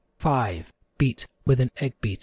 5. Beat with an egg beater.